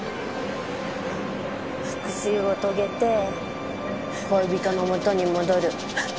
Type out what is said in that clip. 復讐を遂げて恋人の元に戻る。